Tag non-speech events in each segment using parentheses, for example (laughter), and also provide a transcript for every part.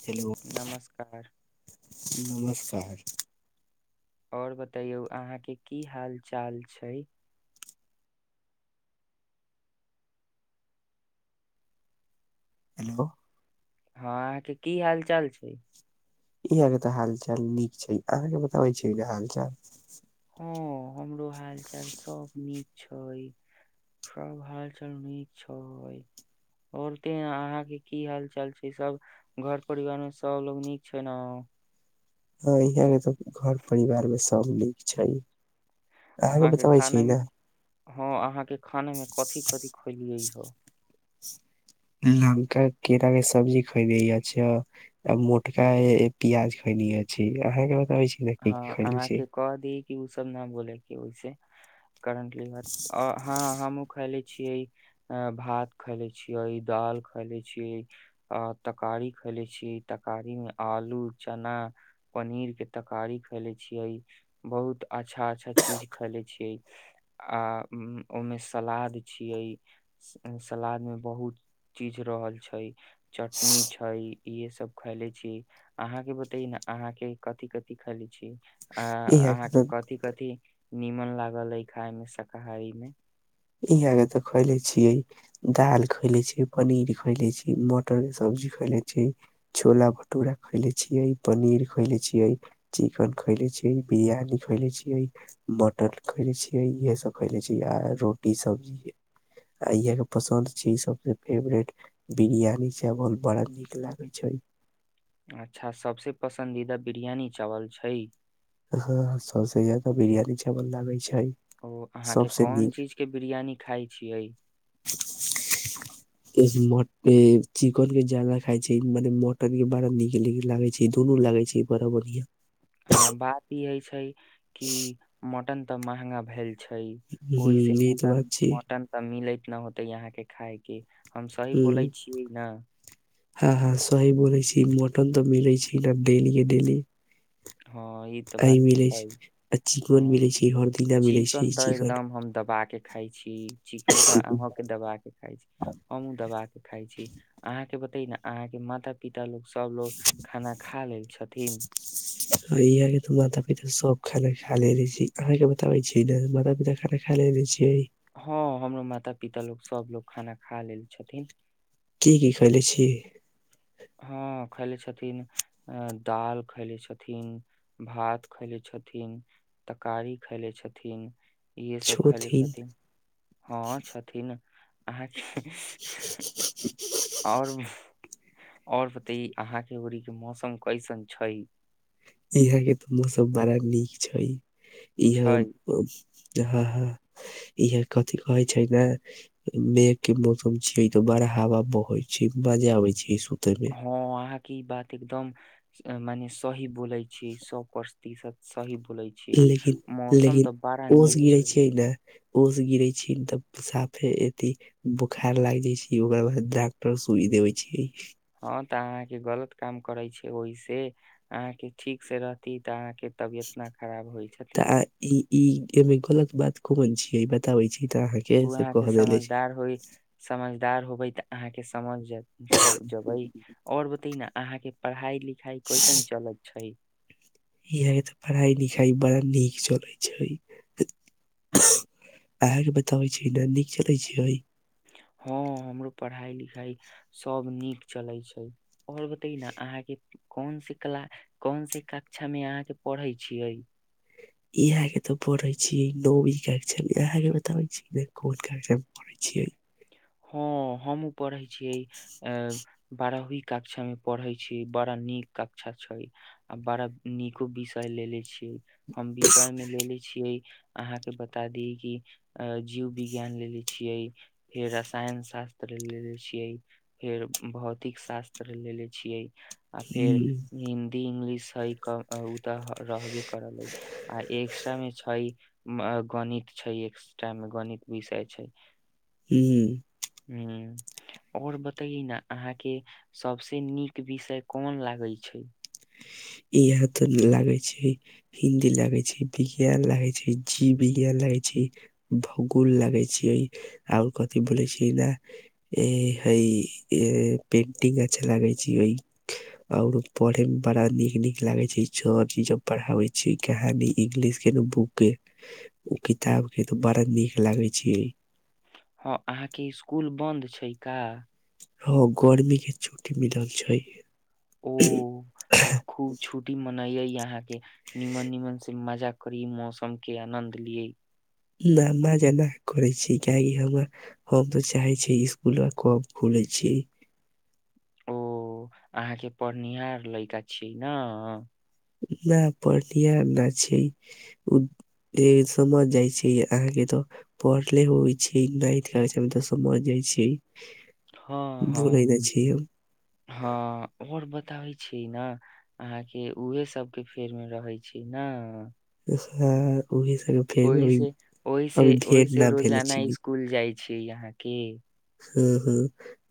Hello नमस्कार नमस्कार और बतैयौ अहाँके की हाल चाल छै हेलो हँ अहाँके की हाल चाल छै इहाँ के तऽ हाल चाल नीक छै अहाँके बताबै छै न हाल चाल हँ हमरो हाल चाल सब नीक छै सब हाल चाल नीक छ‌इ बोलते अहाँके की हाल चाल छै सब घर परिवार मे सभलोग नीक छै न ह इहाँ के तऽ घर परिवार मे सब नीक छै अहाँके अहाँ के बताबै खाना छी मे ने हँ अहाँ के खाने मे कथि कथि खलियै ह त लमका केराके सब्जी खइले य छियै आ मोटका पियाज खइले छी अहाँके बताबै छी न की की खैले छियै ओ सब न बोलेके ओहिसे करंटली ह हमहु खैले छियै आ भात खैले छियै दाल खैले छियै तरकारी ेले छियै तरकारी मे आलू चना पनीर के तरकारी खैले छियै बहुत अच्छा अच्छा चीज खैले छियै आ उ ओहिमे सलाद छियै सलाद मे बहुत चीज रहल छै चटनी छै इहे सब खयले छियै अहाँके बतैयै न अहाँके कथि कथि खैले छियै आ यहाँ के अहाँके तऽ कथि कथि नीमन लागल अइ खाय मे शाकाहारी मे इहाँ के तऽ खएले छियै दाल खएले छियै पनीर खएले छियै मटर के सब्जी खैले छियै छोला भटुरा खैले छियै पनीर खैले छियै चिकन खैले छियै बिरियानी खैले छियै मटन खैले छियै इहे सब खैले छियै आ रो टी सब्जी आ इह के पसन्द छै सबसे फेवरेट बिरियानी चावल बड़ा नीक लागे छै अच्छा सबसे पसन्दीदा बिरयानी चावल छै हँ सबसे ज्यादा बिरियानी चावल लागै छै छै ओ अहाँके सबसे कोन नीक चीज के बिरियानी खाय छियै म चिकन के जला खाइ छै मने मटन के बड़ा नीक नीक लागे छै नू लागै छै ई बड़ा बढ़िआं हँ बात इहे छै कि मटन तऽ महंगा भेल छै ओहिसँ हम्म इ ते मटन बात छै मटन तऽ मिलैत न होते यहाँ के खायके हम सही बोलै छियै ने हँ हँ सही बोलइ छी मटन तऽ मिलै छी ने डेली के डेली हँ ई तऽ आय बात मिले छै आ ह चिकन मिले छै हर दिना मिले छै चिकन इ तऽ एकदम हम दबा के खाय चिकन तऽ अहों के दबा के खाय छी हमू दबा के खाय छी अहा के बता ते न अहाँके माता पिता लोग सब लोग खाना खा लेल छथिन इहाँके तऽ माता पिता सब खाना खाे रह छै अहाँके बताबै छै ने माता पिता खाना खालेने छियै हँ हमरो माता पिता लोक सभलोग खाना खा लेल छथिन की की खेले छी हँ खयले छथिन अ दाल खैले छथिन भात खयले छथिन छथिन तकारी खैले छथिन इहे सब खायले छोथिन छथिन हँ छथिन आओर और बतय अहाँके उड़ीक के मौसम कैसन छै यहाँ के तऽ मौसम बड़ा नीक छै यहाँ छै हँ हँ इहे कथी कहे छै ने मेघ के मौसम छिय तो बड़ा हवा बहै छै बाजे आबै छै ई सु हँ अहाँके ई बात एकदम मने सही बोलै छी सौ प्रतिशत सही बोलै लेकिन छियै मौसम लेकिन तऽ बड़ा ओस नीक गिरे छै ने ओस गिरे छी तब साफे एथि बोखार लाग जाय छै ओकर बाद डॉक्टर सु देवइ छै हँ तऽ अहाँके गलत काम करै छै ओहि से अहाँके ठीक से रहती तऽ अहाँ तऽ ई ई एहिमे गलत बात कोन छियै ई बताबै छि ओ अहाँके समझदार होइ समझदार होबै तऽ अहाँके समझ सब जेबै और बते न अहाँ के पढ़ाई लिखाई कैसन चलत छै ई होइ तऽ पढ़ाइ लिखाइ बड़ा नीक चल छै अहाके बताबै छी न नीक चलै छै आई हँ हमरो पढ़ाई लिखाई सब नीक चलै छै ओर बताइ न अहाँके कोनसी कला कोनसी कक्षा मे अहाँके पढ़ै छियै इहे तऽ पढ़ छी नबी कक्षा मे अहा के बताबै छी ने कोन कक्षा पढ़ै छी छियै हँ हमू पढ़ै छीयै अ बारही कक्षा में पढ़े छी बड़ा नीक कक्षा छै आ बड़ा नीको विषय लेे छी हम विषय मे लेे छियै अहाँके बता दी कि अ जीव विज्ञान लेलेे छियै फेर साइंस शास्त्र लेले छीये फेर भौतिक शास्त्र लेले छीये आ फेर हम्म हिन्दी इंग्लिश सही क तऽ रहबे करलै आ एकटा मे छै गणित छै एकस टा मे गणित विषय छै हू हू हू हू आओर बतैए न अहाँके सबसे नीक विषय कोन लागै छै (inaudible) यहाँ त लागे छै हिन्दी लागे छै विज्ञान लागे छै जीव विज्ञान लागे छै भगुल लागै छी ओ आओर कथि बोलै छी न ई ह पेनटिंग अच्छा लगै छी ओहि आओर पढ़े बड़ा नीक नीक लागे छै छ चीज पढ़ाबे छी कहानी इंगलिश के ने बुक के ओ किताब के तऽ बड़ा नीक लागे छै हँ अहाँके इसकुल बन्द छै का हँ गर्मी के छुट्टी मिलल छै ओ तऽ खूब छुट्टी मनाय यहाँ के निमन निमन से मजा करीब मौसम के आनन्द लि न मजा नहि करे छी कियकि हम हम तऽ चाहे छीय इसकुलबा कब खुले छी (inaudible) ओ अहाँके पढ़निहार लैका छियै न नहि पढ़निहार न छियै समझ जाय छै अहा के तो पढ़ले होइ छै नाग मे त समझ जाय छी हँ बोले हँ ने हम हँ आओर ब बतबै छी ने अहाँके उहे सबके फेर मे रहै छी न (unintelligible) फेर भी ओहि अभी से ओहिसँ अभी भेट ओहिसँ ना भेल रोजाना छी इसकुल जाइ छी आहाँके हँ हँ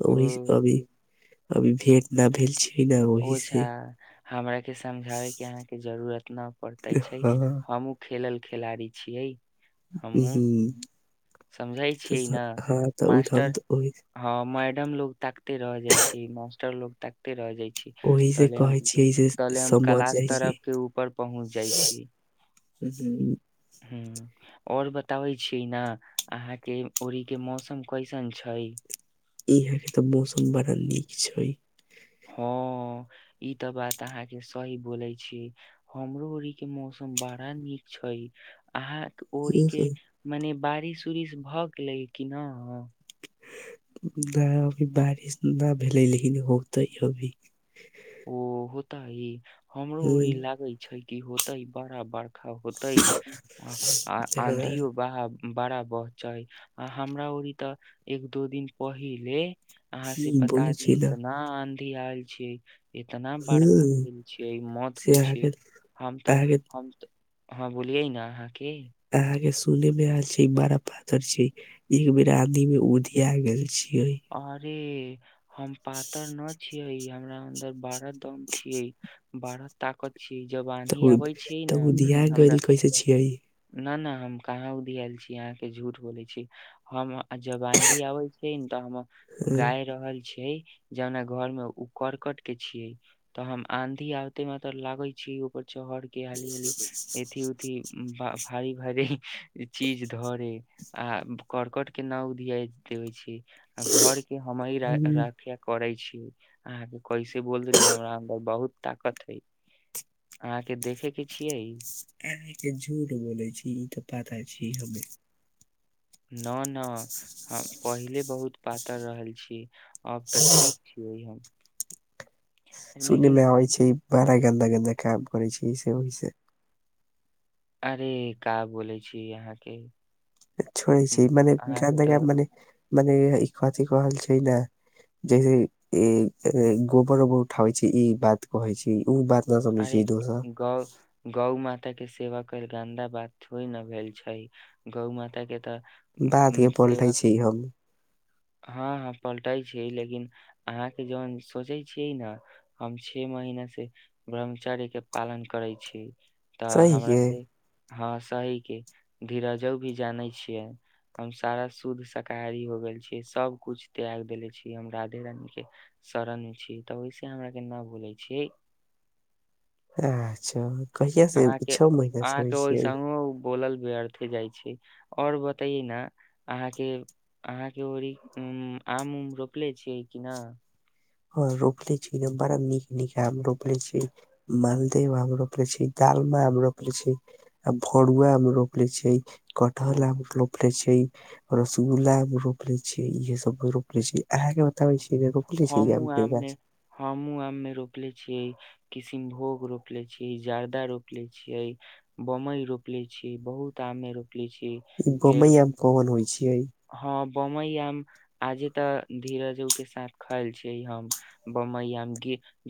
ओहि अभी अभी भेट न भेल छी ना ओही ओ छा से हमरा के समझाबै के अहाँके जरूरत न पड़ते छै हां हमहु खेलल खेलाड़ी छियै हमहूँ हू समझै छियै ने ते हम मास्टर त ओही हमर मैडम लोग ताकते रह जाय छै मास्टर लोग ताकते रह जाय छै ओही से त कहे छिये से तहले हम समझ कलाश जाय छी। तरफ के ऊपर पहुँच जाइ छी (unintelligible) हू ओर बताबै छीयै ने अहाँकेँ उड़ी के मौसम कैसन छै इहाँ के तऽ मौसम बड़ा नीक छै हँ ई तऽ बात अहाँके सही बोले छी हमरो अर के मौसम बड़ा नीक छै अहाँ ओड़ी के हम्म, मने बारिश उरिश भए गेले कि न नहि अभी बारिश नहि भेलै लेकिन होतै अभी ओ होत ह हमरो ई हम्म, लागे छै कि होतै बारा बार होत ह हाँ आँधी उ बा बड़ा बहचय आ हमरा ओरी तऽ एक दू दिन पहिले अहाँ से हम्म, बता बोलै छी दी न केना आँधी आयल छै इतना बारखा भेल छियै मत से पूछि अहाँके हम तऽ अहाँके हम हँ बोलियै ने अहाँ के अहाँ के सुने मे आयल छै ई बड़ा पथर छै एक बेर आंधी मे उधिया गेल छी अरे हम पातर न छियै हम र बढ़ड़ा दम छिय बड़ा ताकत छियै जब तऽ आंधी उ आबै छियै तऽ ने उघिया गेलल कैसे छियै न न हम कहाँ उधीया आयल छी अहाँ के झूठ बोले छी हम जब आंधी आबे तऽ हम हाँ, गाय रहल छियै जे हमरा घर में ओ करकट के छिये तऽ हम आंधी आबते मे त लागे छी ऊपर चरके हाली ही एथिी उथि भारी भारी चीज धरे आ करकट के नाव दिय दे छै घर के हम हम्म, रखा करे छी अहाँके कैसे बोल देलियै हमरा हम बहुत ताकत हइ अहाँके देखे के छियै इत झूठ बोले छी इ तऽ पाता छै हमरा न न हम पहिले बहुत पातर रहल छी अब तऽ ठीक छीयै हम सुन लेकिन मे आबै छै बड़ा गन्दा गन्दा काम करै छै ऐसे ओहिसे अरे का बोलै छी अहाँके छोड़े छि मने अहाँके गा तऽ मने मने ई कथी कहल छै इ ना जैसे गोबर उोबर उठाबै छै इ बात कहै छै ओ बात न समझै छै अरे दोसर गौ माता के सेवा करल गन्दा बात थोड़े न भेल छै गौ माता के तऽ उम्म बातके पलटै सेवा छी हम हाँ हाँ पलटै छै लेकिन अहाँके जन सोचे छियै ने हम छे महीना से ब्रह्मचारीके पालन करै छी तऽ सही हमरा के से हँ सही के धीरज भी जानै छियै हम सारा शुद्ध शाकाहारी हो गेल छी सब कुछ त्याग देेले छी हम राधे रानी के शरण मे छी तऽ ओहिसे हमरा के भूलै छिय अच्छा कहिया से अहाँके छौ महीना से होइ अहाँके ओहि छियै संग बोलल व्यर्थे जाइ छै ओर बताइए न अहाँके अहाँके ओ आम उम रोपले छियै कि ना हँ रोपले छी न बड़ब नीक नीक आम रोपल छी मालदेव आम रोपले छी तालमा आम रोपले छि आ भरुआ रोपले छि कटहल ओ आम रोपले छि रसगुल्ला एगो रोपले छी इहे सब रोपले छी अहा के बताबे छी रोप हमू आम मे हमू आम मे रोपले छियै किसनभोग रोप ले छीयै जर्दा रोप ले छियै बम्बई रोप ले छीयै बहुत काम र (inaudible) ई बोमई आम कमन होइ छै हँ बम्बई आम आजे ते धीरज के साथ खायल छी हम बमई आम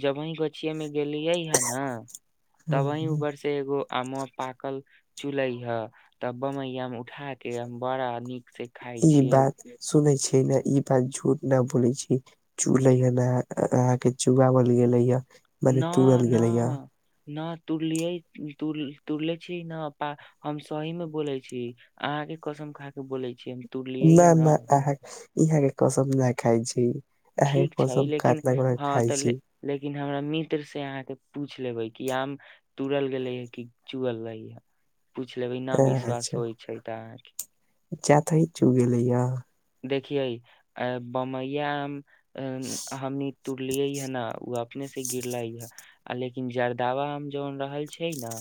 जबहि गोछिे मे गेलियै है न तबहि ऊपर से एगो आम पाकल चूलहे हे तब बमैया मे उठा के बड़ा नीक से खाय ई छियै बात सुनै छी के न ई बात झूठ न बोले छी चूले हे न अहा के चुगवल गेले ये न मने तूड़ल न गेलैया न तुरलियै तुरले छी न प हम सही मे बोले छी अह कसम खाक बोलै छियै न नहि अहाँ इहाँ के कसम नहि खाइ छी एके ठीक छै प्रथम लेकिन कातना ग हँ खइ तऽ छी ले, (inaudible) लेकिन हमरा मित्र से अहाँके पूछ लेबै कि आम तूड़ल गेले है कि चुअल रहे पूछ लेबै न ह विश्वास अच्छा होइ छै तऽ अहाँ ज्यादा इ चु गलै आम देखियै अ बम्बईया आम हमी तुर लिय है न ओ अपने से गिरला है आ लेकिन जरदा आम जन रहल छै ने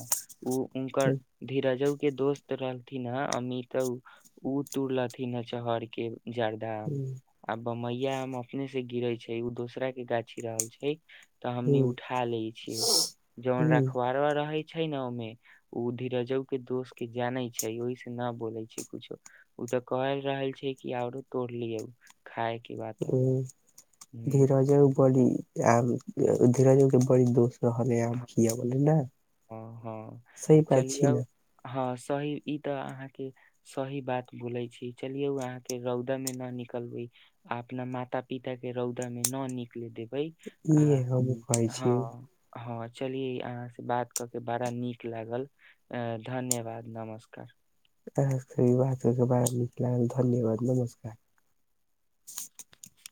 ओ उनकर धीरज के दोस्त रहलथिन ह अमीत ओ तड़लथिन ह चहर के झारधाम हम्म ब्मैया हमम (inaudible) अपने से गिरे छै उ दोसरा के गाछी रहल छै तऽ हमनी हम्म उठा ले छियै जौवन हम्म रखवरवा रहै छै न ओहिमे ओ धीरजो के दोस के जानै छै ओहि स न बोलै छै कुछो तऽ कहल रहल छै कि आरो तोड़ लियौ खाय के बातऽ धीरजबो बड़ी आ धीरजबो बड़ी दोस्त रहलै आब किया बलै न हँ हँ चलिऔ ना हँ सही इ तऽ आहाँ के सही बात बोलै छी चलियौ आहाँ के रौदा में न निकलवै अपना माता पिता के रौदा मे न निकले देब इ हे हमु कहइ छीयै चलिए अहाँ से बात कऽ के बड़ा नीक लागल अ धन्यवाद नमस्कार आहांसे ई बात के बारा निक लागल धन्यवाद नमस्कार (inaudible)